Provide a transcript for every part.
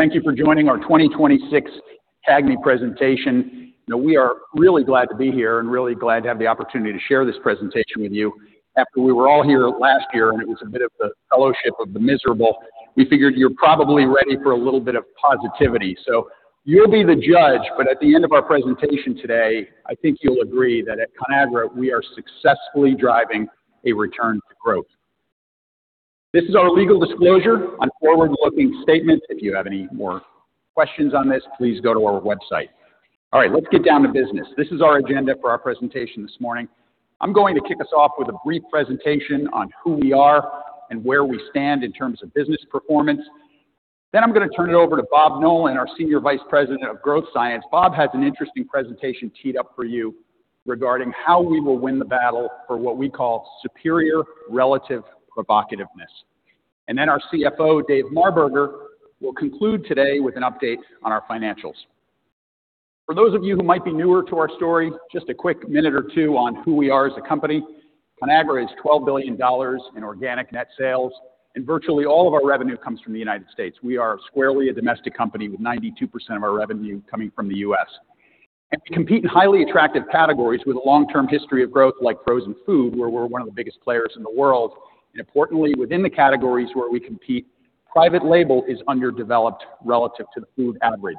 Thank you for joining our 2026 CAGNY presentation. You know, we are really glad to be here and really glad to have the opportunity to share this presentation with you. After we were all here last year, and it was a bit of the fellowship of the miserable, we figured you're probably ready for a little bit of positivity. So you'll be the judge, but at the end of our presentation today, I think you'll agree that at Conagra, we are successfully driving a return to growth. This is our legal disclosure on forward-looking statements. If you have any more questions on this, please go to our website. All right, let's get down to business. This is our agenda for our presentation this morning. I'm going to kick us off with a brief presentation on who we are and where we stand in terms of business performance. Then I'm going to turn it over to Bob Nolan, our Senior Vice President of Demand Science. Bob has an interesting presentation teed up for you regarding how we will win the battle for what we call Superior Relative Provocativeness. And then our CFO, Dave Marberger, will conclude today with an update on our financials. For those of you who might be newer to our story, just a quick minute or two on who we are as a company. Conagra is $12 billion in organic net sales, and virtually all of our revenue comes from the United States. We are squarely a domestic company, with 92% of our revenue coming from the U.S. And we compete in highly attractive categories with a long-term history of growth, like frozen food, where we're one of the biggest players in the world. Importantly, within the categories where we compete, private label is underdeveloped relative to the food average.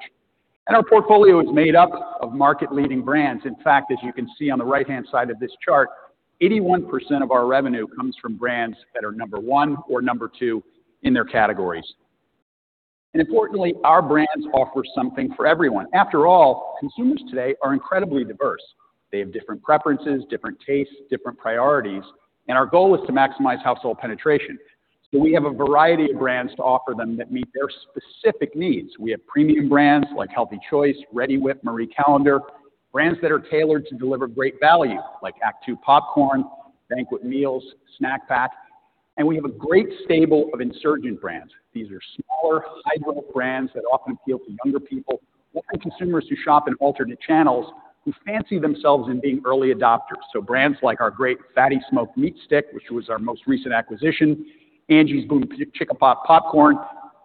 Our portfolio is made up of market-leading brands. In fact, as you can see on the right-hand side of this chart, 81% of our revenue comes from brands that are number one or number two in their categories. Importantly, our brands offer something for everyone. After all, consumers today are incredibly diverse. They have different preferences, different tastes, different priorities, and our goal is to maximize household penetration. We have a variety of brands to offer them that meet their specific needs. We have premium brands like Healthy Choice, Reddi-wip, Marie Callender's, brands that are tailored to deliver great value, like Act II popcorn, Banquet meals, Snack Pack, and we have a great stable of insurgent brands. These are smaller, high-growth brands that often appeal to younger people or consumers who shop in alternate channels, who fancy themselves in being early adopters. So brands like our great Fatty Smoked Meat Stick, which was our most recent acquisition, Angie's BOOMCHICKAPOP popcorn,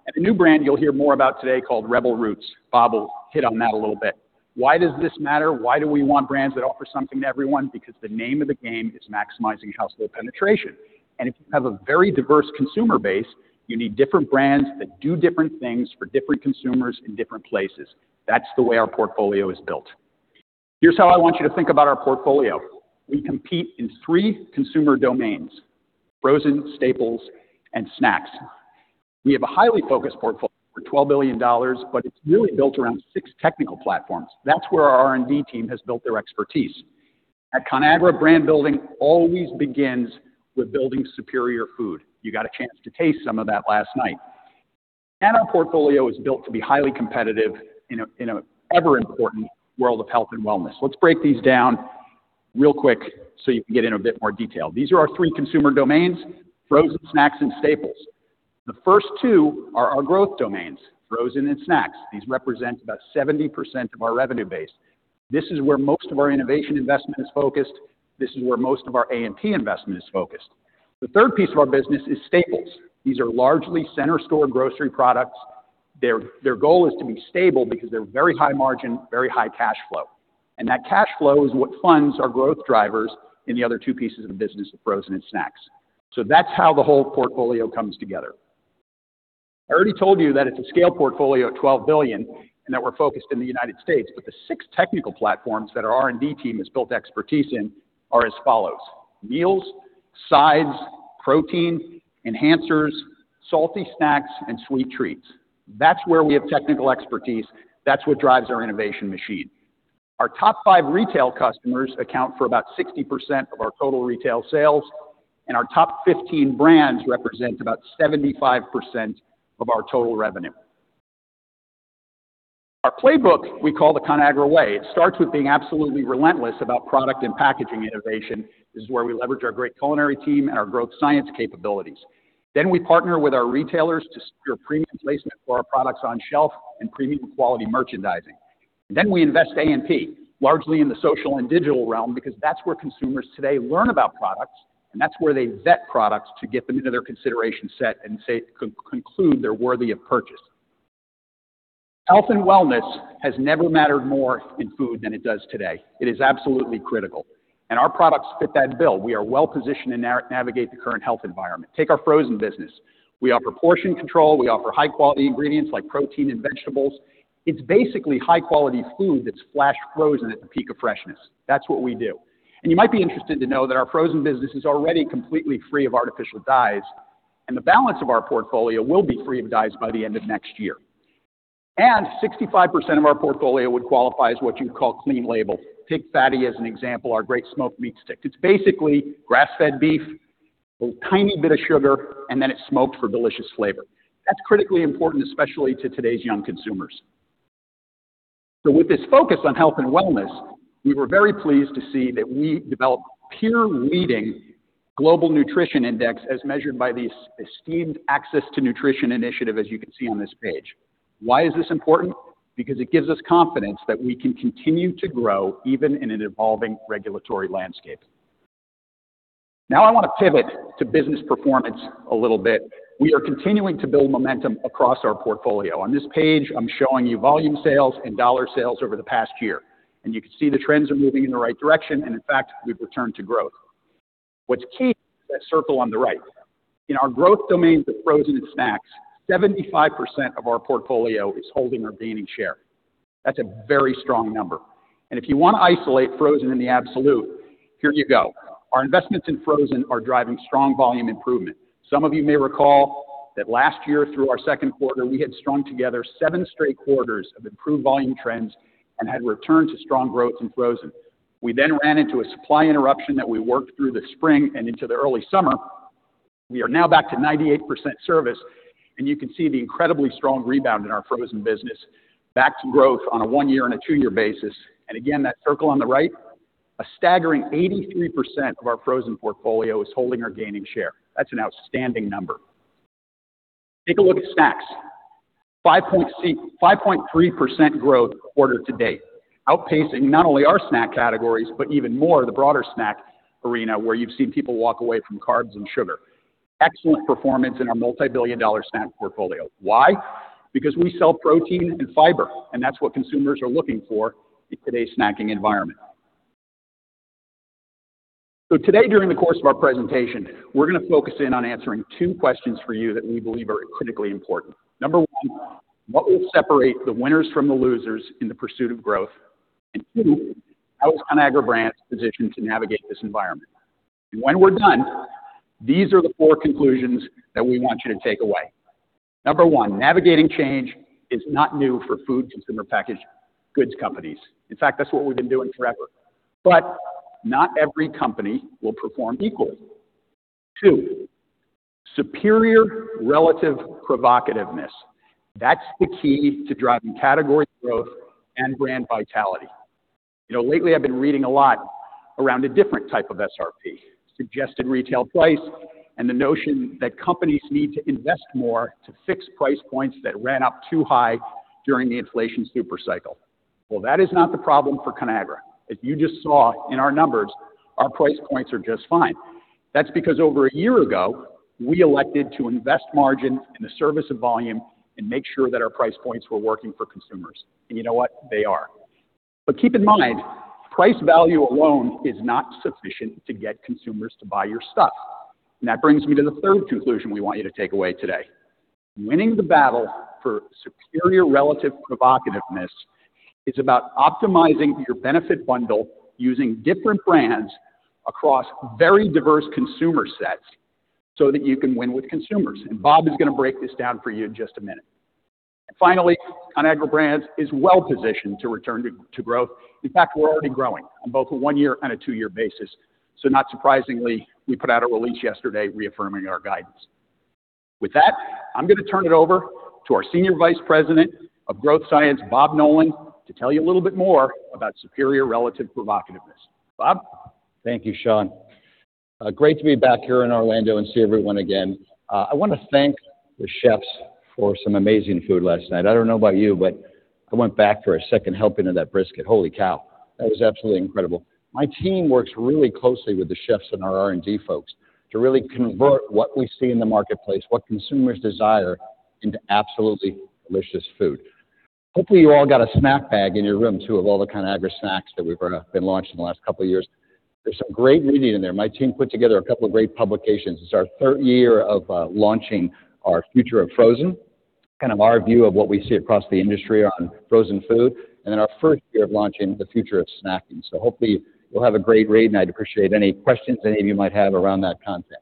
and a new brand you'll hear more about today called Rebel Roots. Bob will hit on that a little bit. Why does this matter? Why do we want brands that offer something to everyone? Because the name of the game is maximizing household penetration. And if you have a very diverse consumer base, you need different brands that do different things for different consumers in different places. That's the way our portfolio is built. Here's how I want you to think about our portfolio. We compete in three consumer domains: frozen, staples, and snacks. We have a highly focused portfolio for $12 billion, but it's really built around six technical platforms. That's where our R&D team has built their expertise. At Conagra, brand building always begins with building superior food. You got a chance to taste some of that last night. And our portfolio is built to be highly competitive in an ever-important world of health and wellness. Let's break these down real quick so you can get in a bit more detail. These are our three consumer domains, frozen, snacks, and staples. The first two are our growth domains, frozen and snacks. These represent about 70% of our revenue base. This is where most of our innovation investment is focused. This is where most of our A&P investment is focused. The third piece of our business is staples. These are largely center store grocery products. Their goal is to be stable because they're very high margin, very high cash flow, and that cash flow is what funds our growth drivers in the other two pieces of the business, of frozen and snacks. So that's how the whole portfolio comes together. I already told you that it's a scale portfolio at $12 billion and that we're focused in the United States, but the six technical platforms that our R&D team has built expertise in are as follows: meals, sides, protein, enhancers, salty snacks, and sweet treats. That's where we have technical expertise. That's what drives our innovation machine. Our top five retail customers account for about 60% of our total retail sales, and our top 15 brands represent about 75% of our total revenue. Our playbook, we call the Conagra Way. It starts with being absolutely relentless about product and packaging innovation. This is where we leverage our great culinary team and our growth science capabilities. Then we partner with our retailers to secure premium placement for our products on shelf and premium quality merchandising. Then we invest A&P, largely in the social and digital realm, because that's where consumers today learn about products, and that's where they vet products to get them into their consideration set and conclude they're worthy of purchase. Health and wellness has never mattered more in food than it does today. It is absolutely critical, and our products fit that bill. We are well-positioned to navigate the current health environment. Take our frozen business. We offer portion control. We offer high-quality ingredients like protein and vegetables. It's basically high-quality food that's flash-frozen at the peak of freshness. That's what we do. You might be interested to know that our frozen business is already completely free of artificial dyes, and the balance of our portfolio will be free of dyes by the end of next year. 65% of our portfolio would qualify as what you'd call Clean Label. Take Fatty as an example, our great smoked meat stick. It's basically grass-fed beef, a tiny bit of sugar, and then it's smoked for delicious flavor. That's critically important, especially to today's young consumers. With this focus on health and wellness, we were very pleased to see that we developed a peer-leading global nutrition index as measured by the esteemed Access to Nutrition Initiative, as you can see on this page. Why is this important? Because it gives us confidence that we can continue to grow even in an evolving regulatory landscape. Now I want to pivot to business performance a little bit. We are continuing to build momentum across our portfolio. On this page, I'm showing you volume sales and dollar sales over the past year, and you can see the trends are moving in the right direction, and in fact, we've returned to growth. What's key, that circle on the right. In our growth domains of frozen and snacks, 75% of our portfolio is holding or gaining share. That's a very strong number. If you want to isolate frozen in the absolute, here you go. Our investments in frozen are driving strong volume improvement. Some of you may recall that last year, through our second quarter, we had strung together seven straight quarters of improved volume trends and had returned to strong growth in frozen. We then ran into a supply interruption that we worked through the spring and into the early summer. We are now back to 98% service, and you can see the incredibly strong rebound in our frozen business, back to growth on a one-year and a two-year basis. And again, that circle on the right, a staggering 83% of our frozen portfolio is holding or gaining share. That's an outstanding number. Take a look at snacks. 5.3% growth quarter to date, outpacing not only our snack categories, but even more, the broader snack arena, where you've seen people walk away from carbs and sugar. Excellent performance in our multibillion-dollar snack portfolio. Why? Because we sell protein and fiber, and that's what consumers are looking for in today's snacking environment. So today, during the course of our presentation, we're going to focus in on answering two questions for you that we believe are critically important. Number one, what will separate the winners from the losers in the pursuit of growth? And two, how is Conagra Brands positioned to navigate this environment? When we're done, these are the four conclusions that we want you to take away. Number one, navigating change is not new for food consumer packaged goods companies. In fact, that's what we've been doing forever. But not every company will perform equally. Two, Superior Relative Provocativeness. That's the key to driving category growth and brand vitality. You know, lately, I've been reading a lot around a different type of SRP, suggested retail price, and the notion that companies need to invest more to fix price points that ran up too high during the inflation super cycle. Well, that is not the problem for Conagra. As you just saw in our numbers, our price points are just fine. That's because over a year ago, we elected to invest margin in the service of volume and make sure that our price points were working for consumers. And you know what? They are. But keep in mind, price value alone is not sufficient to get consumers to buy your stuff. And that brings me to the third conclusion we want you to take away today. Winning the battle for Superior Relative Provocativeness is about optimizing your benefit bundle using different brands across very diverse consumer sets so that you can win with consumers, and Bob is going to break this down for you in just a minute. Finally, Conagra Brands is well positioned to return to growth. In fact, we're already growing on both a one-year and a two-year basis. So not surprisingly, we put out a release yesterday reaffirming our guidance. With that, I'm going to turn it over to our Senior Vice President of Demand Science, Bob Nolan, to tell you a little bit more about Superior Relative Provocativeness. Bob? Thank you, Sean. Great to be back here in Orlando and see everyone again. I want to thank the chefs for some amazing food last night. I don't know about you, but I went back for a second helping of that brisket. Holy cow! That was absolutely incredible. My team works really closely with the chefs and our R&D folks to really convert what we see in the marketplace, what consumers desire, into absolutely delicious food. Hopefully, you all got a snack bag in your room, too, of all the Conagra snacks that we've been launching in the last couple of years. There's some great reading in there. My team put together a couple of great publications. It's our third year of launching our Future of Frozen, kind of our view of what we see across the industry on frozen food, and then our first year of launching the Future of Snacking. So hopefully, you'll have a great read, and I'd appreciate any questions any of you might have around that content.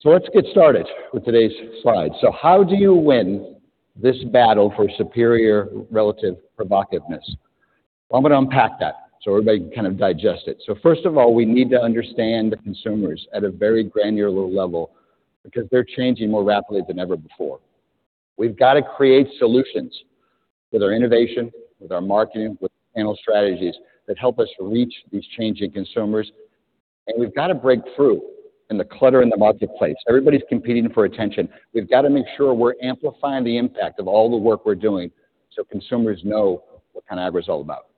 So let's get started with today's slides. So how do you win this battle for Superior Relative Provocativeness? I'm going to unpack that so everybody can kind of digest it. So first of all, we need to understand the consumers at a very granular level because they're changing more rapidly than ever before. We've got to create solutions with our innovation, with our marketing, with channel strategies that help us reach these changing consumers, and we've got to break through in the clutter in the marketplace. Everybody's competing for attention. We've got to make sure we're amplifying the impact of all the work we're doing so consumers know what Conagra is all about.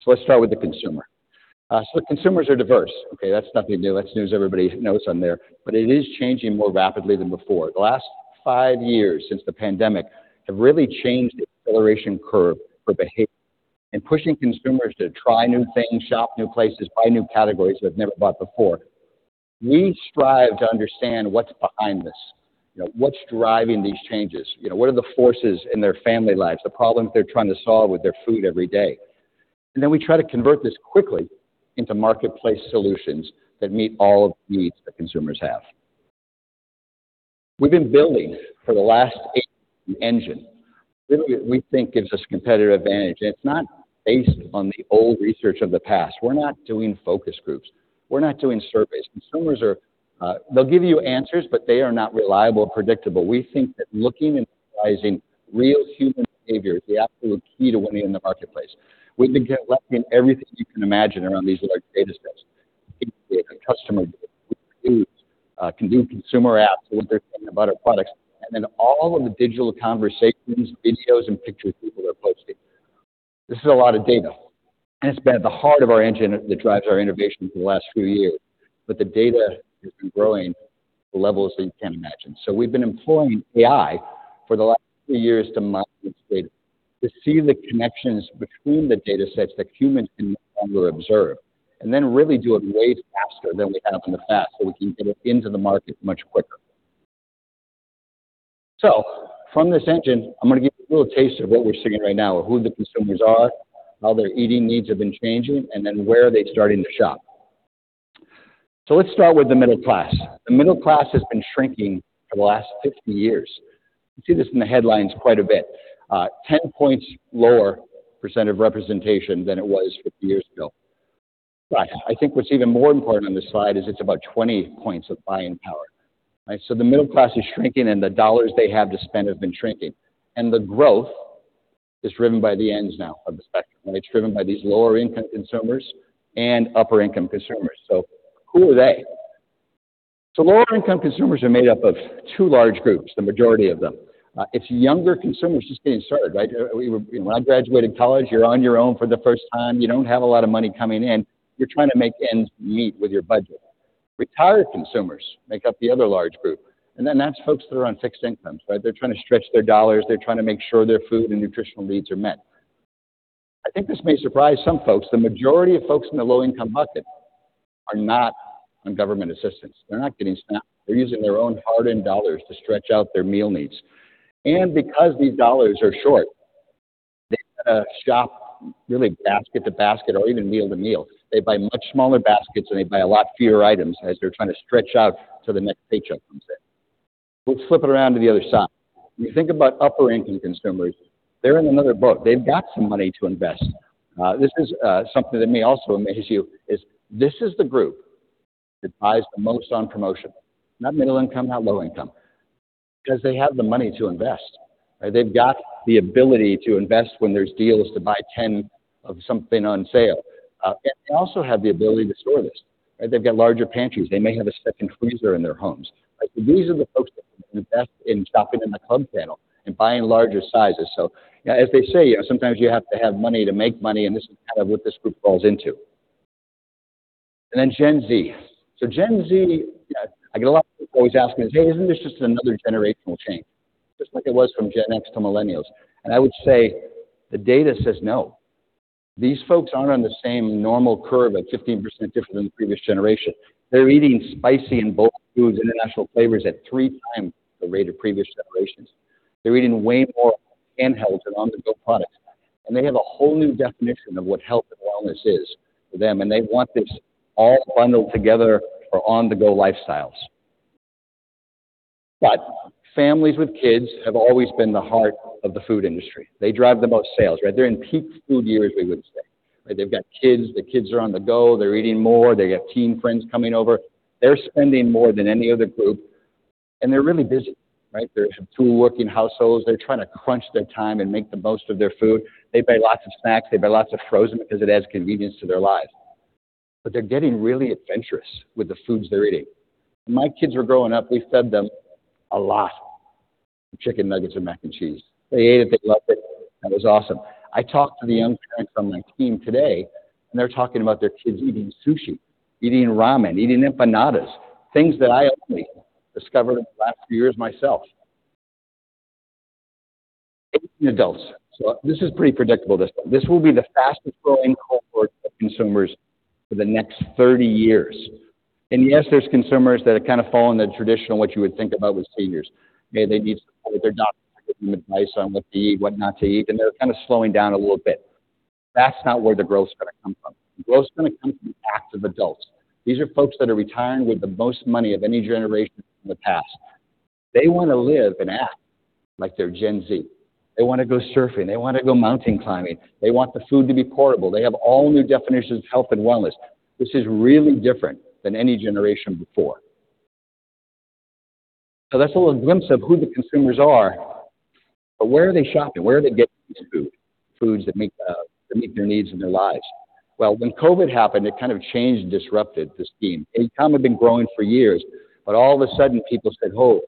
So let's start with the consumer. So the consumers are diverse. Okay, that's nothing new. That's news everybody knows on there, but it is changing more rapidly than before. The last five years since the pandemic have really changed the acceleration curve for behavior and pushing consumers to try new things, shop new places, buy new categories they've never bought before. We strive to understand what's behind this. You know, what's driving these changes? You know, what are the forces in their family lives, the problems they're trying to solve with their food every day? And then we try to convert this quickly into marketplace solutions that meet all the needs that consumers have. We've been building for the last eight years, the engine, really, we think, gives us competitive advantage, and it's not based on the old research of the past. We're not doing focus groups. We're not doing surveys. Consumers are. They'll give you answers, but they are not reliable or predictable. We think that looking and rising real human behavior is the absolute key to winning in the marketplace. We've been collecting everything you can imagine around these large data sets. A customer can do consumer apps, what they're saying about our products, and then all of the digital conversations, videos, and pictures people are posting. This is a lot of data, and it's been at the heart of our engine that drives our innovation for the last few years. But the data has been growing to levels that you can't imagine. So we've been employing AI for the last three years to mine this data, to see the connections between the data sets that humans can no longer observe, and then really do it way faster than we had in the past, so we can get it into the market much quicker. So from this engine, I'm going to give you a little taste of what we're seeing right now, who the consumers are, how their eating needs have been changing, and then where are they starting to shop. So let's start with the middle class. The middle class has been shrinking for the last 50 years. You see this in the headlines quite a bit. 10 points lower percent of representation than it was 50 years ago. But I think what's even more important on this slide is it's about 20 points of buying power, right? So the middle class is shrinking and the dollars they have to spend have been shrinking, and the growth is driven by the ends now of the spectrum. It's driven by these lower-income consumers and upper-income consumers. So who are they? So lower-income consumers are made up of two large groups, the majority of them. It's younger consumers just getting started, right? When I graduated college, you're on your own for the first time. You don't have a lot of money coming in. You're trying to make ends meet with your budget. Retired consumers make up the other large group, and then that's folks that are on fixed incomes, right? They're trying to stretch their dollars. They're trying to make sure their food and nutritional needs are met. I think this may surprise some folks. The majority of folks in the low-income bucket are not on government assistance. They're not getting SNAP. They're using their own hard-earned dollars to stretch out their meal needs. And because these dollars are short, they shop really basket to basket or even meal to meal. They buy much smaller baskets, and they buy a lot fewer items as they're trying to stretch out till the next paycheck comes in. Let's flip it around to the other side. When you think about upper-income consumers, they're in another boat. They've got some money to invest. This is something that may also amaze you, is this is the group that buys the most on promotion, not middle income, not low income, because they have the money to invest. They've got the ability to invest when there's deals to buy 10 of something on sale. They also have the ability to store this. They've got larger pantries. They may have a second freezer in their homes. These are the folks that invest in shopping in the club channel and buying larger sizes. So as they say, sometimes you have to have money to make money, and this is kind of what this group falls into. And then Gen Z. So Gen Z, I get a lot of people always asking me, "Hey, isn't this just another generational change, just like it was from Gen X to millennials?" And I would say, the data says no. These folks aren't on the same normal curve at 15% different than the previous generation. They're eating spicy and bold foods, international flavors at three times the rate of previous generations. They're eating way more handheld and on-the-go products, and they have a whole new definition of what health and wellness is for them, and they want this all bundled together for on-the-go lifestyles. But families with kids have always been the heart of the food industry. They drive the most sales, right? They're in peak food years, we would say. They've got kids, the kids are on the go, they're eating more, they got teen friends coming over. They're spending more than any other group, and they're really busy, right? They're two working households. They're trying to crunch their time and make the most of their food. They buy lots of snacks, they buy lots of frozen because it adds convenience to their lives. But they're getting really adventurous with the foods they're eating. My kids were growing up. We fed them a lot of chicken nuggets and mac and cheese. They ate it, they loved it, and it was awesome. I talked to the young parents on my team today, and they're talking about their kids eating sushi, eating ramen, eating empanadas, things that I only discovered in the last few years myself. Adults. So this is pretty predictable. This will be the fastest growing cohort of consumers for the next 30 years. And yes, there's consumers that kind of fall in the traditional, what you would think about with seniors. Maybe they need their doctor giving advice on what to eat, what not to eat, and they're kind of slowing down a little bit. That's not where the growth is going to come from. Growth is going to come from active adults. These are folks that are retiring with the most money of any generation in the past. They want to live and act like they're Gen Z. They want to go surfing, they want to go mountain climbing. They want the food to be portable. They have all new definitions of health and wellness. This is really different than any generation before. So that's a little glimpse of who the consumers are, but where are they shopping? Where are they getting this food? Foods that meet, that meet their needs and their lives. Well, when COVID happened, it kind of changed and disrupted the scheme. E-com had been growing for years, but all of a sudden people said, "Whoa,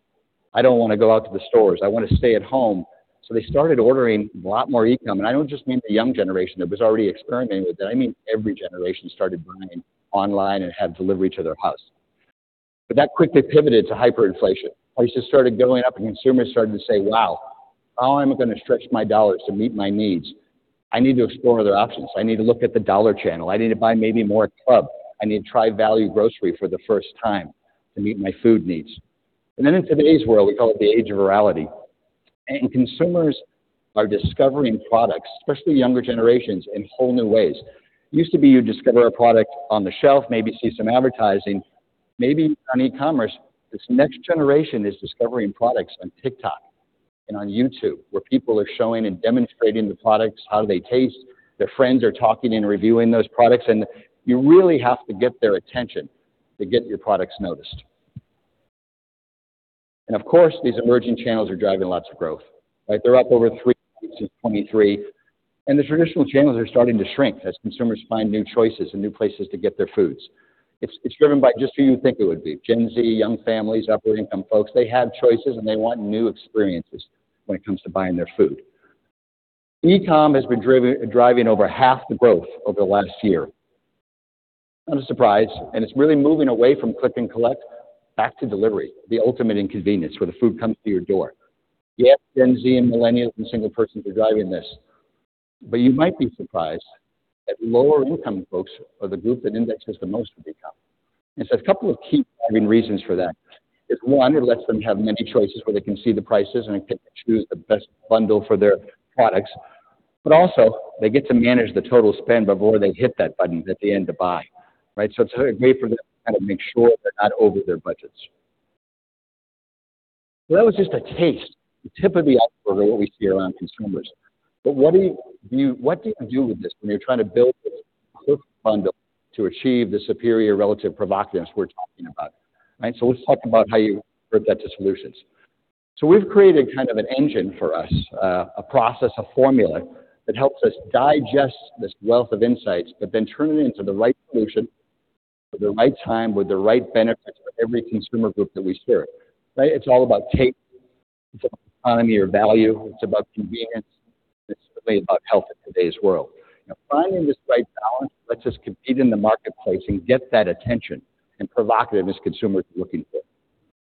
I don't want to go out to the stores. I want to stay at home." So they started ordering a lot more e-com, and I don't just mean the young generation that was already experimenting with it. I mean, every generation started buying online and had delivery to their house. But that quickly pivoted to hyperinflation. Prices started going up, and consumers started to say, "Wow, how am I going to stretch my dollars to meet my needs? I need to explore other options. I need to look at the dollar channel. I need to buy maybe more at club. I need to try value grocery for the first time to meet my food needs." And then in today's world, we call it the age of virality, and consumers are discovering products, especially younger generations, in whole new ways. It used to be you discover a product on the shelf, maybe see some advertising, maybe on e-commerce. This next generation is discovering products on TikTok and on YouTube, where people are showing and demonstrating the products, how they taste. Their friends are talking and reviewing those products, and you really have to get their attention to get your products noticed. And of course, these emerging channels are driving lots of growth. Like, they're up over 3.3, and the traditional channels are starting to shrink as consumers find new choices and new places to get their foods. It's, it's driven by just who you think it would be: Gen Z, young families, upward income folks. They have choices, and they want new experiences when it comes to buying their food. E-com has been driving over half the growth over the last year. Not a surprise, and it's really moving away from click and collect back to delivery, the ultimate inconvenience, where the food comes to your door. Yes, Gen Z and millennials and single persons are driving this, but you might be surprised that lower-income folks are the group that indexes the most with e-com. There's a couple of key driving reasons for that. Is, one, it lets them have many choices, where they can see the prices and they can choose the best bundle for their products. But also, they get to manage the total spend before they hit that button at the end to buy, right? So that was just a taste, the tip of the iceberg of what we see around consumers. But what do you do with this when you're trying to build this bundle to achieve the Superior Relative Provocativeness we're talking about, right? So let's talk about how you convert that to solutions. So we've created kind of an engine for us, a process, a formula, that helps us digest this wealth of insights, but then turn it into the right solution at the right time with the right benefits for every consumer group that we serve, right? It's all about taste. It's about economy or value. It's about convenience. It's really about health in today's world. Now, finding this right balance lets us compete in the marketplace and get that attention and provocativeness consumers are looking for.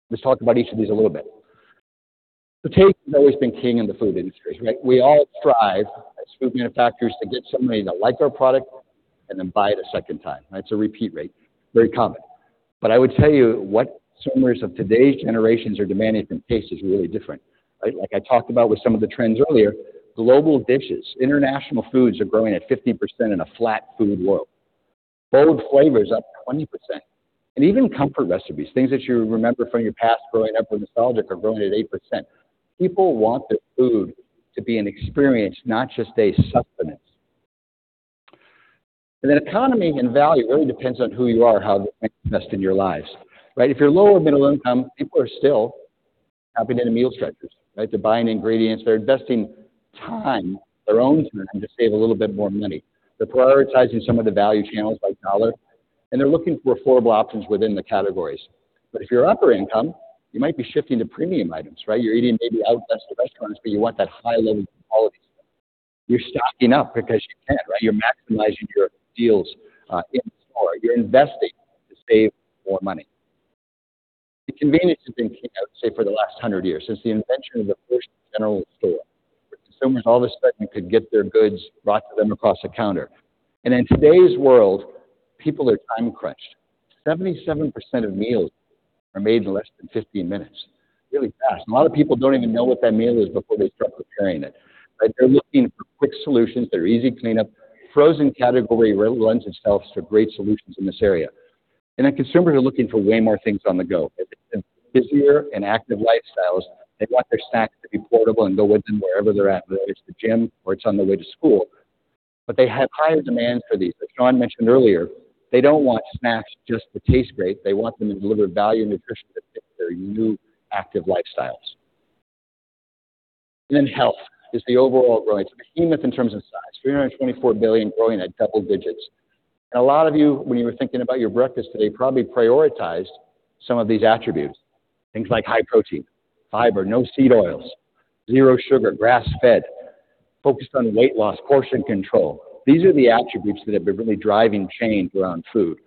Let's talk about each of these a little bit. So taste has always been king in the food industries, right? We all thrive as food manufacturers to get somebody to like our product and then buy it a second time, right? So repeat rate, very common. But I would tell you what consumers of today's generations are demanding from taste is really different, right? Like I talked about with some of the trends earlier, global dishes, international foods are growing at 15% in a flat food world. Bold flavors, up 20%. And even comfort recipes, things that you remember from your past growing up or nostalgic, are growing at 8%. People want their food to be an experience, not just a sustenance. And then economy and value really depends on who you are, how you invest in your lives, right? If you're lower middle income, people are still shopping in the meal structures, right? They're buying ingredients. They're investing time, their own time, to save a little bit more money. They're prioritizing some of the value channels by dollar, and they're looking for affordable options within the categories. But if you're upper income, you might be shifting to premium items, right? You're eating maybe out less at the restaurants, but you want that high level of quality. You're stocking up because you can, right? You're maximizing your deals in the store. You're investing to save more money. The convenience has been king, I would say, for the last 100 years, since the invention of the first general store, where consumers all of a sudden could get their goods brought to them across the counter. In today's world, people are time-crushed. 77% of meals are made in less than 15 minutes. Really fast. A lot of people don't even know what that meal is before they start preparing it, right? They're looking for quick solutions that are easy cleanup. Frozen category really lends itself to great solutions in this area. And then consumers are looking for way more things on the go. With busier and active lifestyles, they want their snacks to be portable and go with them wherever they're at, whether it's the gym or it's on their way to school. But they have higher demand for these. As Sean mentioned earlier, they don't want snacks just to taste great. They want them to deliver value and nutrition that fit their new active lifestyles. And then health is the overall growth. It's enormous in terms of size, $324 billion, growing at double digits. A lot of you, when you were thinking about your breakfast today, probably prioritized some of these attributes. Things like high protein, fiber, no seed oils, zero sugar, grass-fed, focused on weight loss, portion control. These are the attributes that have been really driving change around food.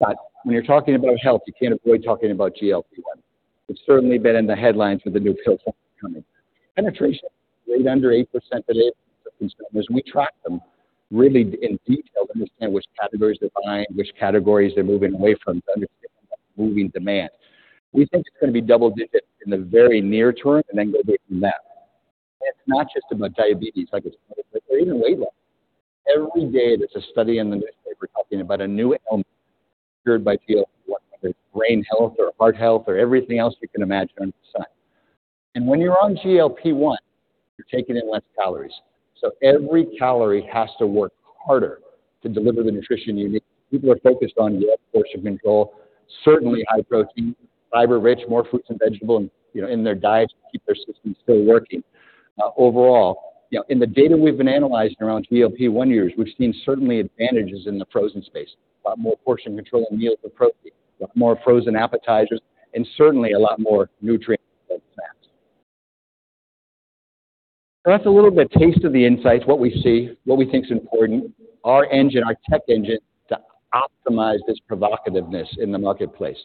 But when you're talking about health, you can't avoid talking about GLP-1. It's certainly been in the headlines with the new pills coming. Penetration way under 8% today for consumers. We track them really in detail to understand which categories they're buying, which categories they're moving away from, to understand moving demand. We think it's going to be double digits in the very near term and then go away from that. It's not just about diabetes, like I said, but even weight loss. Every day, there's a study in the newspaper talking about a new ailment cured by GLP-1, whether it's brain health or heart health or everything else you can imagine under the sun. When you're on GLP-1, you're taking in less calories, so every calorie has to work harder to deliver the nutrition you need. People are focused on, yeah, portion control, certainly high protein, fiber-rich, more fruits and vegetables, you know, in their diets to keep their systems still working. Overall, you know, in the data we've been analyzing around GLP-1 users, we've seen certainly advantages in the frozen space. A lot more portion control in meals with protein, a lot more frozen appetizers, and certainly a lot more nutrient-dense snacks. So that's a little bit taste of the insights, what we see, what we think is important, our engine, our tech engine, to optimize this provocativeness in the marketplace.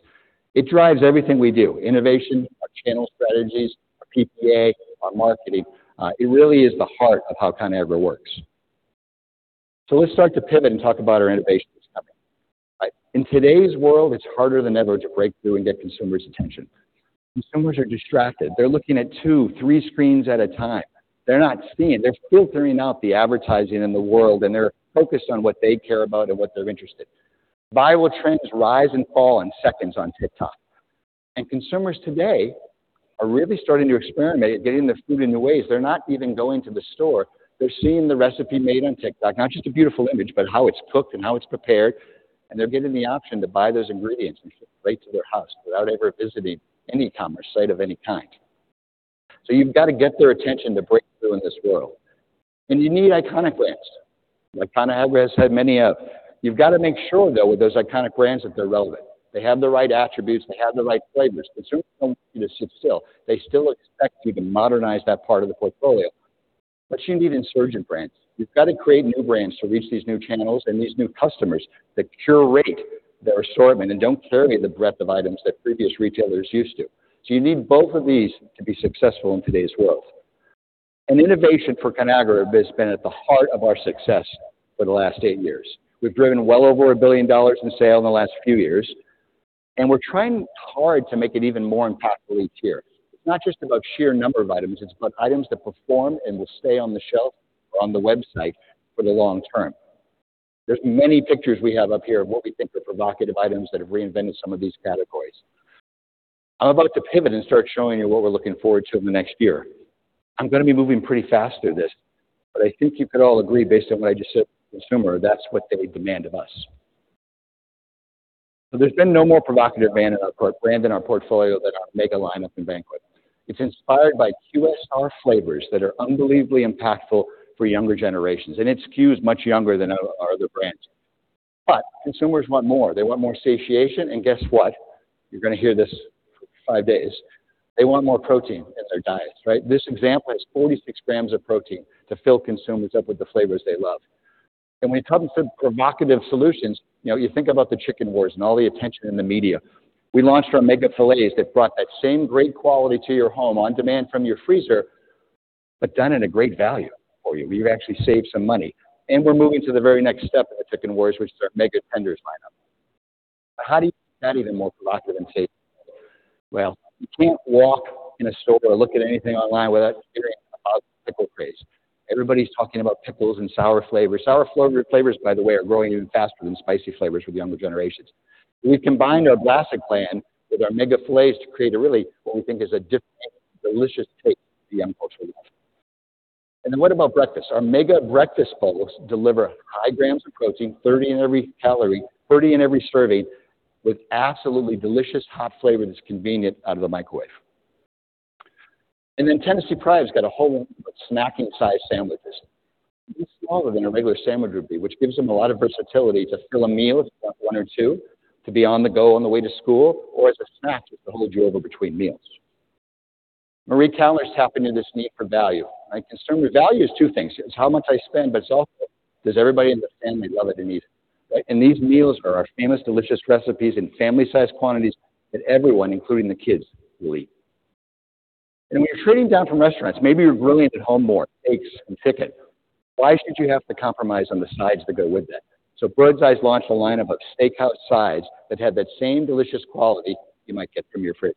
It drives everything we do, innovation, our channel strategies, our PPA, our marketing. It really is the heart of how Conagra works. So let's start to pivot and talk about our innovations coming. Right. In today's world, it's harder than ever to break through and get consumers' attention. Consumers are distracted. They're looking at two, three screens at a time. They're not seeing. They're filtering out the advertising in the world, and they're focused on what they care about and what they're interested in. Viral trends rise and fall in seconds on TikTok, and consumers today are really starting to experiment at getting their food in new ways. They're not even going to the store. They're seeing the recipe made on TikTok, not just a beautiful image, but how it's cooked and how it's prepared, and they're given the option to buy those ingredients and ship right to their house without ever visiting any commerce site of any kind. You've got to get their attention to break through in this world, and you need iconic brands, like Conagra has had many of. You've got to make sure, though, with those iconic brands, that they're relevant. They have the right attributes, they have the right flavors. Consumers don't want you to sit still. They still expect you to modernize that part of the portfolio. You need insurgent brands. You've got to create new brands to reach these new channels and these new customers that curate their assortment and don't carry the breadth of items that previous retailers used to. So you need both of these to be successful in today's world. Innovation for Conagra has been at the heart of our success for the last 8 years. We've driven well over $1 billion in sales in the last few years, and we're trying hard to make it even more impactful each year. It's not just about sheer number of items, it's about items that perform and will stay on the shelf or on the website for the long term. There's many pictures we have up here of what we think are provocative items that have reinvented some of these categories. I'm about to pivot and start showing you what we're looking forward to in the next year. I'm going to be moving pretty fast through this, but I think you could all agree, based on what I just said about the consumer, that's what they demand of us. So there's been no more provocative brand in our portfolio than our Mega lineup in Banquet. It's inspired by QSR flavors that are unbelievably impactful for younger generations, and its skew is much younger than our other brands. But consumers want more. They want more satiation, and guess what? You're going to hear this for five days. They want more protein in their diets, right? This example has 46 grams of protein to fill consumers up with the flavors they love. And when it comes to provocative solutions, you know, you think about the chicken wars and all the attention in the media. We launched our Mega Filets that brought that same great quality to your home on demand from your freezer, but done at a great value for you. We've actually saved some money, and we're moving to the very next step in the chicken wars, which is our Mega Tenders lineup. How do you make that even more provocative and tasty? Well, you can't walk in a store or look at anything online without hearing about the pickle craze. Everybody's talking about pickles and sour flavors. Sour flavors, by the way, are growing even faster than spicy flavors with younger generations. We've combined our classic brand with our Mega Filets to create a really, what we think is a different, delicious take for the young culture. And then, what about breakfast? Our Mega Breakfast Bowls deliver high grams of protein, 30 in every calorie, 30 in every serving, with absolutely delicious, hot flavor that's convenient out of the microwave. And then Tennessee Pride's got a whole line of snacking-sized sandwiches. These are smaller than a regular sandwich would be, which gives them a lot of versatility to fill a meal if you want one or two, to be on the go on the way to school, or as a snack to hold you over between meals. Marie Callender's tap into this need for value, right? Because consumer value is two things. It's how much I spend, but it's also, does everybody in the family love it and eat it, right? And these meals are our famous, delicious recipes in family-sized quantities that everyone, including the kids, will eat. When you're trading down from restaurants, maybe you're grilling at home more, steaks and chicken. Why should you have to compromise on the sides that go with that? So Birds Eye's launched a lineup of steakhouse sides that have that same delicious quality you might get from your favorite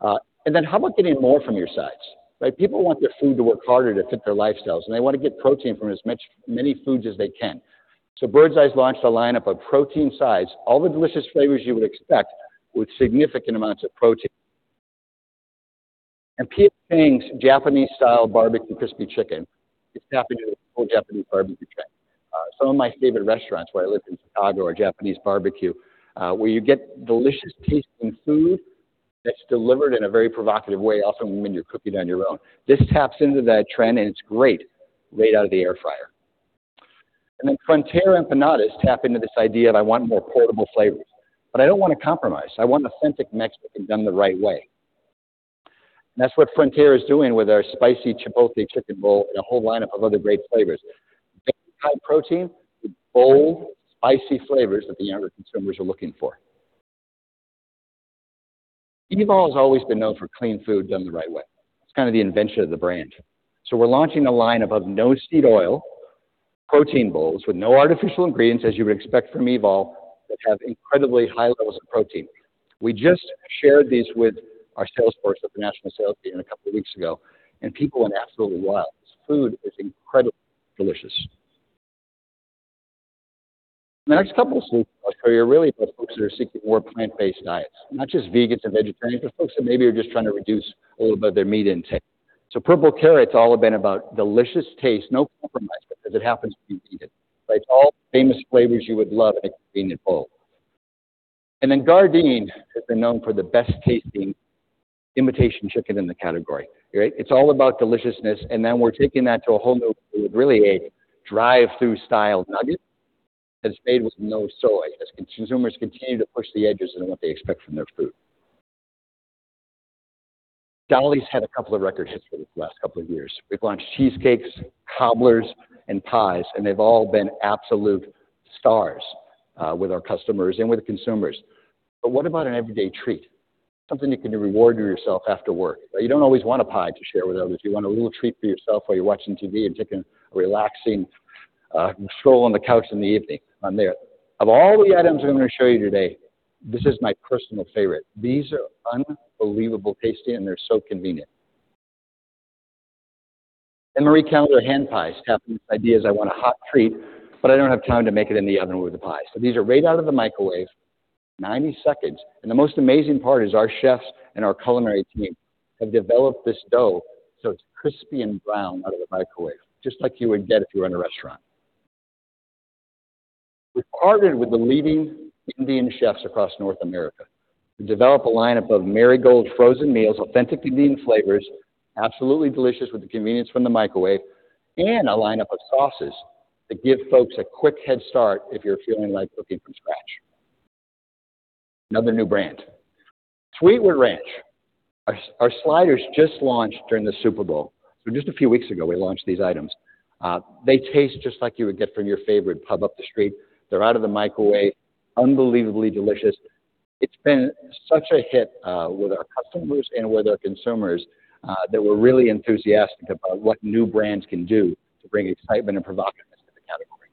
restaurant. And then how about getting more from your sides, right? People want their food to work harder to fit their lifestyles, and they want to get protein from as many foods as they can. So Birds Eye's launched a lineup of protein sides, all the delicious flavors you would expect with significant amounts of protein. And P.F. Chang's Japanese-style barbecue crispy chicken is tapping into the whole Japanese barbecue trend. Some of my favorite restaurants where I lived in Chicago are Japanese barbecue, where you get delicious taste in food that's delivered in a very provocative way, also when you're cooking on your own. This taps into that trend, and it's great right out of the air fryer. And then Frontera Empanadas tap into this idea that I want more portable flavors, but I don't want to compromise. I want authentic Mexican done the right way. That's what Frontera is doing with our spicy Chipotle chicken bowl and a whole lineup of other great flavors. High protein, with bold, spicy flavors that the younger consumers are looking for. Evol's always been known for clean food done the right way. It's kind of the invention of the brand. So we're launching a lineup of no seed oil, protein bowls with no artificial ingredients, as you would expect from Evol, that have incredibly high levels of protein. We just shared these with our sales force at the national sales meeting a couple of weeks ago, and people went absolutely wild. This food is incredibly delicious. The next couple of things I'll show you are really for folks that are seeking more plant-based diets. Not just vegans and vegetarians, but folks that maybe are just trying to reduce a little bit of their meat intake. So Purple Carrot's all have been about delicious taste, no compromise, because it happens to be vegan. It's all famous flavors you would love in a convenient bowl. And then Gardein has been known for the best-tasting imitation chicken in the category, right? It's all about deliciousness, and then we're taking that to a whole new level with really a drive-through style nugget that's made with no soy, as consumers continue to push the edges on what they expect from their food. Dolly's had a couple of record hits for the last couple of years. We've launched cheesecakes, cobblers, and pies, and they've all been absolute stars with our customers and with the consumers. But what about an everyday treat? Something you can reward yourself after work. You don't always want a pie to share with others. You want a little treat for yourself while you're watching TV and taking a relaxing stroll on the couch in the evening. Of all the items I'm going to show you today, this is my personal favorite. These are unbelievable tasty, and they're so convenient. Marie Callender's hand pies tap into ideas, "I want a hot treat, but I don't have time to make it in the oven with a pie." So these are right out of the microwave, 90 seconds, and the most amazing part is our chefs and our culinary team have developed this dough so it's crispy and brown out of the microwave, just like you would get if you were in a restaurant.... We partnered with the leading Indian chefs across North America to develop a line of both Marigold frozen meals, authentic Indian flavors, absolutely delicious, with the convenience from the microwave, and a line of sauces that give folks a quick head start if you're feeling like cooking from scratch. Another new brand, Sweetwood Smokehouse. Our, our sliders just launched during the Super Bowl. So just a few weeks ago, we launched these items. They taste just like you would get from your favorite pub up the street. They're out of the microwave, unbelievably delicious. It's been such a hit with our customers and with our consumers that we're really enthusiastic about what new brands can do to bring excitement and provocativeness to the category.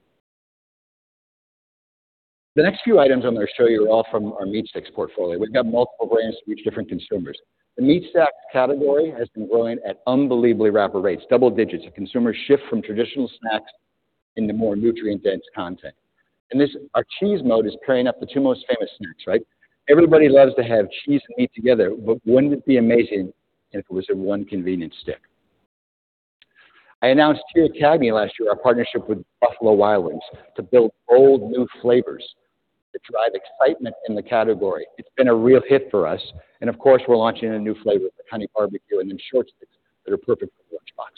The next few items I'm going to show you are all from our meat sticks portfolio. We've got multiple brands to reach different consumers. The meat snack category has been growing at unbelievably rapid rates, double digits, as consumers shift from traditional snacks into more nutrient-dense content. And this, our cheese mode is pairing up the two most famous snacks, right? Everybody loves to have cheese and meat together, but wouldn't it be amazing if it was in one convenient stick? I announced here at CAGNY last year, our partnership with Buffalo Wild Wings, to build bold new flavors that drive excitement in the category. It's been a real hit for us, and of course, we're launching a new flavor, the honey barbecue, and in short sticks that are perfect for the lunchbox.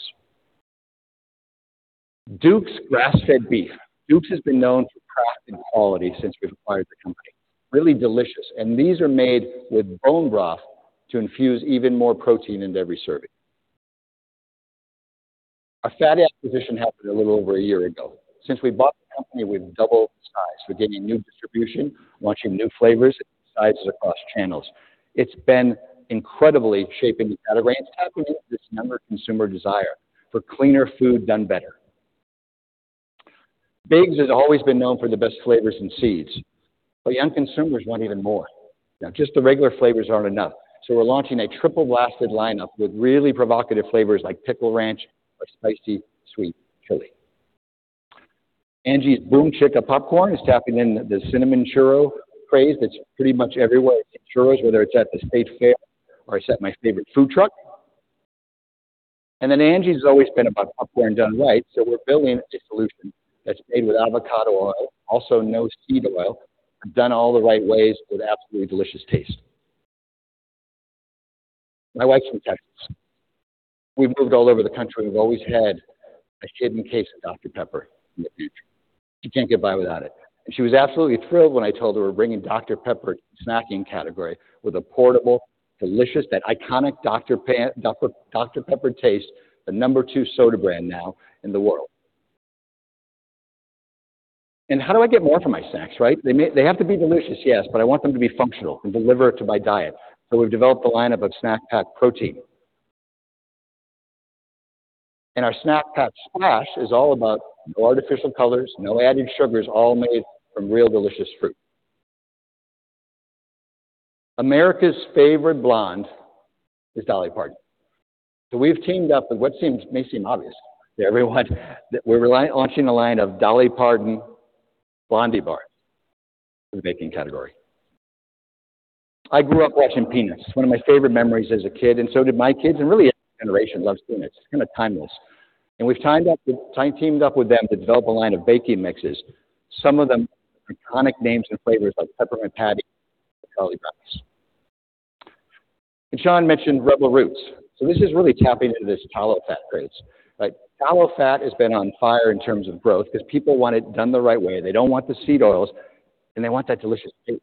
Duke's Grass Fed Beef. Duke's has been known for craft and quality since we've acquired the company. Really delicious, and these are made with bone broth to infuse even more protein into every serving. Our Fatty acquisition happened a little over a year ago. Since we bought the company, we've doubled in size. We're getting new distribution, launching new flavors and sizes across channels. It's been incredibly shaping the category and tapping into this number consumer desire for cleaner food, done better. BIGS has always been known for the best flavors in seeds, but young consumers want even more. Now, just the regular flavors aren't enough, so we're launching a triple-blasted lineup with really provocative flavors like Pickle Ranch or Spicy Sweet Chili. Angie's BOOMCHICKAPOP popcorn is tapping into the cinnamon churro craze that's pretty much everywhere you see churros, whether it's at the state fair or it's at my favorite food truck. And then Angie's has always been about popcorn done right, so we're building a solution that's made with avocado oil, also no seed oil, and done all the right ways with absolutely delicious taste. My wife's from Texas. We've moved all over the country, we've always had a hidden case of Dr Pepper in the pantry. She can't get by without it. And she was absolutely thrilled when I told her we're bringing. Dr Pepper to the snacking category with a portable, delicious, that iconic Dr Pepper taste, the number two soda brand now in the world. And how do I get more from my snacks, right? They may... They have to be delicious, yes, but I want them to be functional and deliver to my diet. So we've developed a lineup of Snack Pack protein. And our Snack Pack Smash is all about no artificial colors, no added sugars, all made from real, delicious fruit. America's favorite blonde is Dolly Parton. So we've teamed up with what seems, may seem obvious to everyone, that we're launching a line of Dolly Parton Blondie Bars in the baking category. I grew up watching Peanuts, one of my favorite memories as a kid, and so did my kids, and really, every generation loves Peanuts. It's kind of timeless. We've teamed up with them to develop a line of baking mixes, some of them with iconic names and flavors like Peppermint Patty and Charlie Brown. Sean mentioned Rebel Roots. So this is really tapping into this tallow fat craze, right? Tallow fat has been on fire in terms of growth because people want it done the right way. They don't want the seed oils, and they want that delicious taste,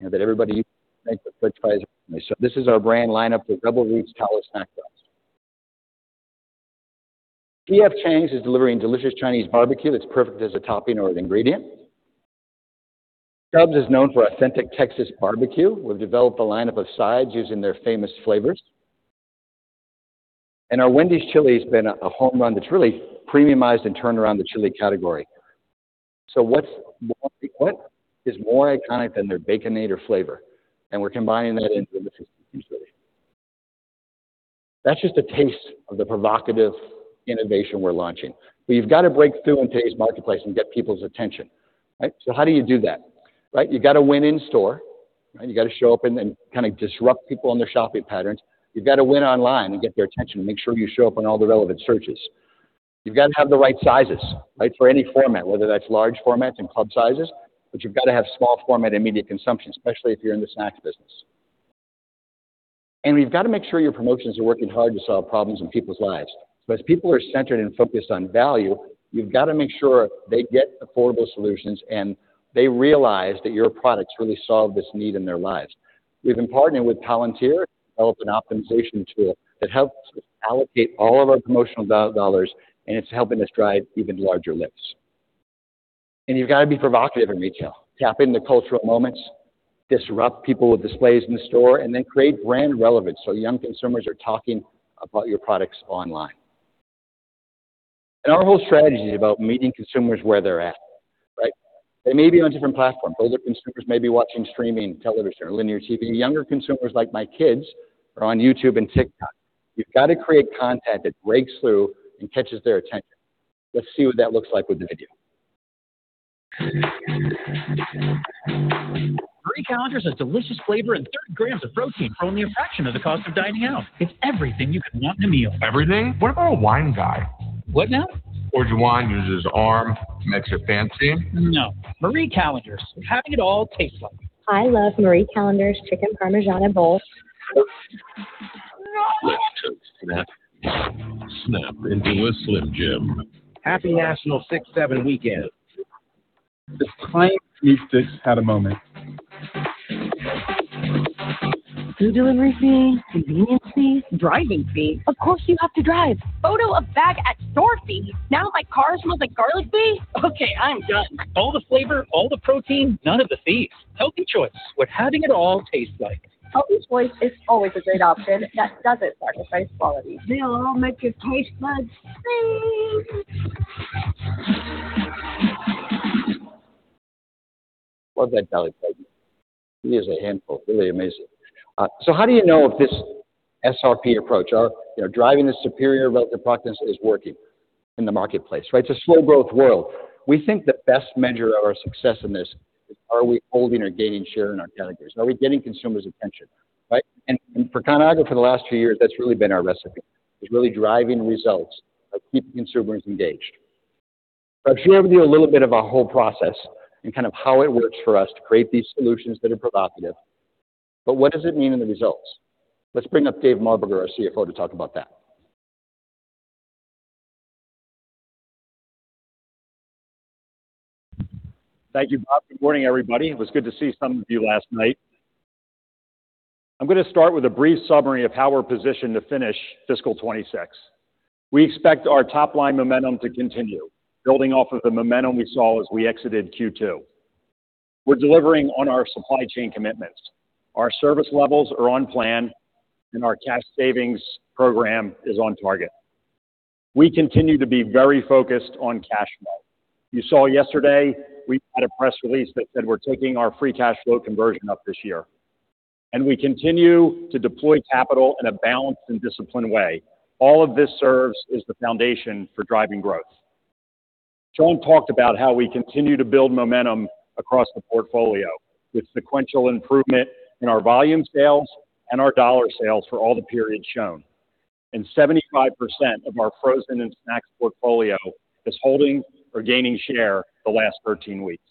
you know, that everybody makes with french fries. This is our brand lineup for Rebel Roots Tallow Snack Sticks. P.F. Chang's is delivering delicious Chinese barbecue that's perfect as a topping or an ingredient. Stubb's is known for authentic Texas barbecue. We've developed a lineup of sides using their famous flavors. Our Wendy's chili has been a home run that's really premiumized and turned around the chili category. So what's more... What is more iconic than their Baconator flavor? And we're combining that into a delicious new chili. That's just a taste of the provocative innovation we're launching. But you've got to break through in today's marketplace and get people's attention, right? So how do you do that, right? You've got to win in store, right? You got to show up and kind of disrupt people in their shopping patterns. You've got to win online and get their attention, and make sure you show up on all the relevant searches. You've got to have the right sizes, right? For any format, whether that's large formats and club sizes, but you've got to have small format, immediate consumption, especially if you're in the snack business. And you've got to make sure your promotions are working hard to solve problems in people's lives. So as people are centered and focused on value, you've got to make sure they get affordable solutions, and they realize that your products really solve this need in their lives. We've been partnering with Palantir to develop an optimization tool that helps us allocate all of our promotional dollars, and it's helping us drive even larger lifts. And you've got to be provocative in retail, tap into cultural moments, disrupt people with displays in the store, and then create brand relevance so young consumers are talking about your products online. And our whole strategy is about meeting consumers where they're at, right? They may be on different platforms. Older consumers may be watching streaming television or linear TV. Younger consumers, like my kids, are on YouTube and TikTok. You've got to create content that breaks through and catches their attention. Let's see what that looks like with a video. ... Marie Callender's has delicious flavor and 30 grams of protein for only a fraction of the cost of dining out. It's everything you could want in a meal. Everything? What about a wine guy? What now? Pours wine, uses his arm, makes you fancy. No. Marie Callender's, having it all taste like. I love Marie Callender's chicken Parmesan and bowls. Let's snap, snap into a Slim Jim. Happy National 6-7 weekend. This client needs to just have a moment. Food delivery fee, convenience fee, driving fee. Of course, you have to drive. Photo a bag at store fee. Now, my car smells like garlic fee? Okay, I am done. All the flavor, all the protein, none of the fees. Healthy Choice, what having it all tastes like. Healthy Choice is always a great option that doesn't sacrifice quality. They'll all make your taste buds sing! Love that belly button. He is a handful, really amazing. So how do you know if this SRP approach are, you know, driving the Superior Relative Provocativeness is working in the marketplace, right? It's a slow growth world. We think the best measure of our success in this is are we holding or gaining share in our categories? Are we getting consumers' attention, right? And, and for Conagra, for the last few years, that's really been our recipe. It's really driving results by keeping consumers engaged. I've shared with you a little bit of our whole process and kind of how it works for us to create these solutions that are provocative. But what does it mean in the results? Let's bring up Dave Marberger, our CFO, to talk about that. Thank you, Bob. Good morning, everybody. It was good to see some of you last night. I'm going to start with a brief summary of how we're positioned to finish fiscal 2026. We expect our top-line momentum to continue, building off of the momentum we saw as we exited Q2. We're delivering on our supply chain commitments. Our service levels are on plan, and our cash savings program is on target. We continue to be very focused on cash flow. You saw yesterday, we had a press release that said we're taking our free cash flow conversion up this year, and we continue to deploy capital in a balanced and disciplined way. All of this serves as the foundation for driving growth. Sean talked about how we continue to build momentum across the portfolio, with sequential improvement in our volume sales and our dollar sales for all the periods shown. Seventy-five percent of our frozen and snacks portfolio is holding or gaining share the last 13 weeks.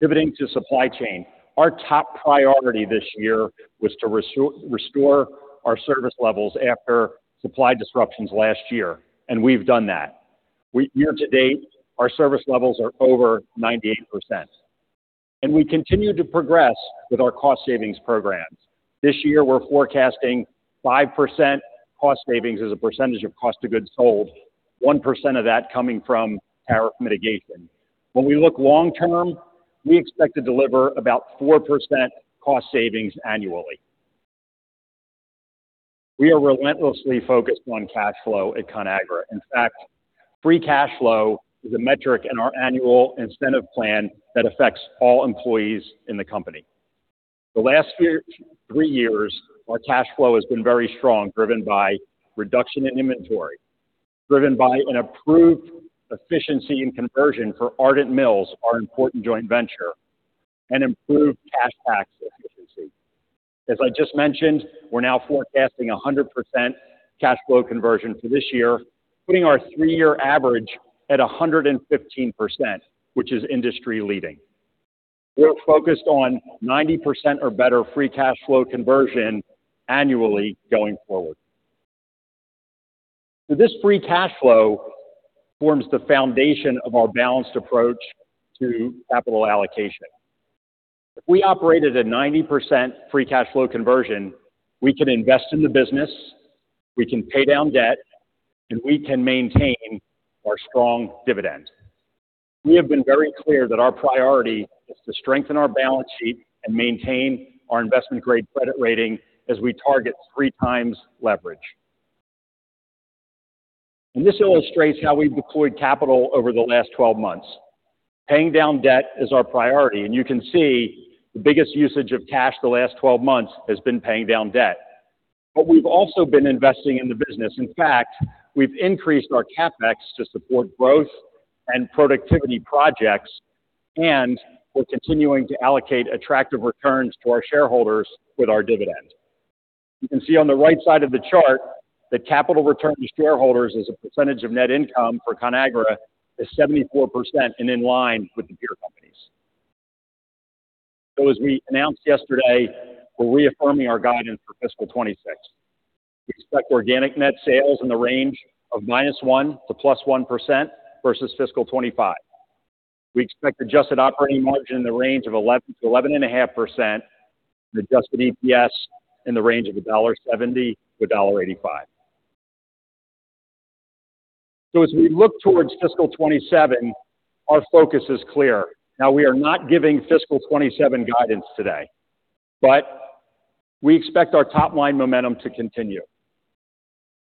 Pivoting to supply chain, our top priority this year was to restore our service levels after supply disruptions last year, and we've done that. We year to date, our service levels are over 98%, and we continue to progress with our cost savings programs. This year, we're forecasting 5% cost savings as a percentage of cost of goods sold, 1% of that coming from tariff mitigation. When we look long term, we expect to deliver about 4% cost savings annually. We are relentlessly focused on cash flow at Conagra. In fact, free cash flow is a metric in our annual incentive plan that affects all employees in the company. The last year, three years, our cash flow has been very strong, driven by reduction in inventory, driven by an improved efficiency and conversion for Ardent Mills, our important joint venture, and improved cash tax efficiency. As I just mentioned, we're now forecasting 100% cash flow conversion for this year, putting our three-year average at 115%, which is industry-leading. We're focused on 90% or better free cash flow conversion annually going forward. So this free cash flow forms the foundation of our balanced approach to capital allocation. If we operate at a 90% free cash flow conversion, we can invest in the business, we can pay down debt, and we can maintain our strong dividend. We have been very clear that our priority is to strengthen our balance sheet and maintain our investment-grade credit rating as we target 3x leverage. This illustrates how we've deployed capital over the last 12 months. Paying down debt is our priority, and you can see the biggest usage of cash the last 12 months has been paying down debt. We've also been investing in the business. In fact, we've increased our CapEx to support growth and productivity projects, and we're continuing to allocate attractive returns to our shareholders with our dividend. You can see on the right side of the chart that capital return to shareholders as a percentage of net income for Conagra is 74% and in line with the peer companies. As we announced yesterday, we're reaffirming our guidance for fiscal 2026. We expect organic net sales in the range of -1% to +1% versus fiscal 2025. We expect adjusted operating margin in the range of 11%-11.5%, and adjusted EPS in the range of $1.70-$1.85. As we look towards fiscal 2027, our focus is clear. Now, we are not giving fiscal 2027 guidance today, but we expect our top-line momentum to continue.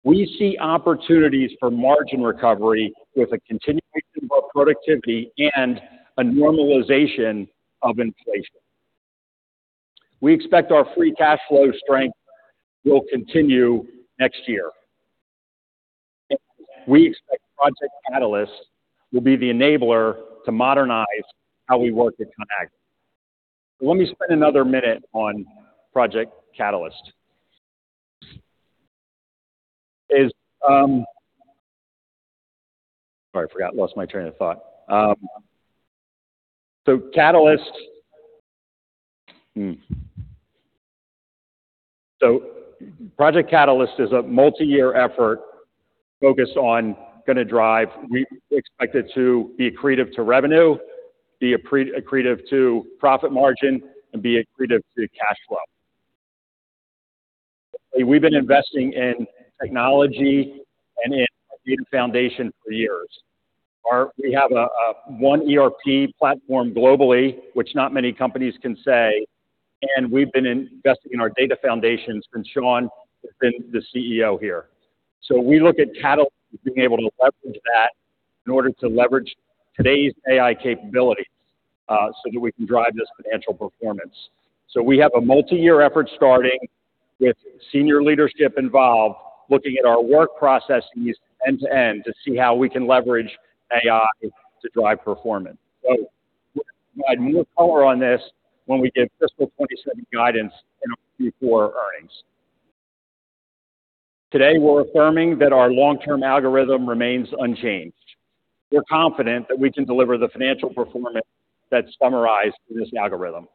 We see opportunities for margin recovery with a continuation of productivity and a normalization of inflation. We expect our free cash flow strength will continue next year. We expect Project Catalyst will be the enabler to modernize how we work at Conagra. Let me spend another minute on Project Catalyst. Project Catalyst is a multi-year effort. We expect it to be accretive to revenue, be accretive to profit margin, and be accretive to cash flow. We've been investing in technology and in data foundation for years. We have a one ERP platform globally, which not many companies can say, and we've been investing in our data foundations since Sean has been the CEO here. So we look at Catalyst as being able to leverage that in order to leverage today's AI capabilities, so that we can drive this financial performance. So we have a multi-year effort starting, with senior leadership involved, looking at our work processes end to end to see how we can leverage AI to drive performance. So we'll provide more color on this when we give fiscal 2027 guidance in our Q4 earnings. Today, we're affirming that our long-term algorithm remains unchanged. We're confident that we can deliver the financial performance that's summarized in this algorithm.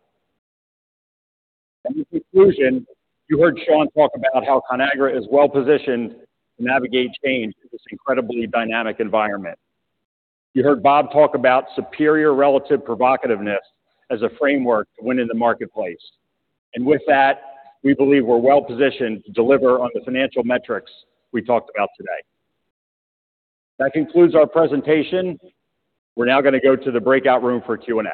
In conclusion, you heard Sean talk about how Conagra is well-positioned to navigate change in this incredibly dynamic environment. You heard Bob talk about Superior Relative Provocativeness as a framework to win in the marketplace. With that, we believe we're well positioned to deliver on the financial metrics we talked about today. That concludes our presentation. We're now gonna go to the breakout room for Q&A.